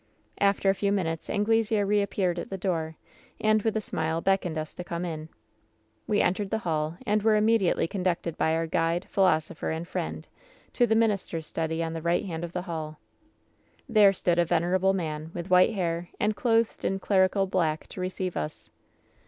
"After a few minutes Anglesea reappeared at the door, and with a smile beckoned us to come in. "We entered the hall, and were immediately con ducted by our ^guide, philosopher and friend' to the min ister's study on the right hand of the hall. "There stood a venerable man, with white hair, and clothed in clerical black, to receive us.